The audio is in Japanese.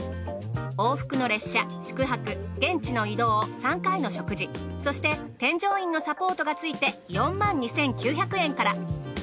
往復の列車宿泊現地の移動３回の食事そして添乗員のサポートがついて４２，９００円から。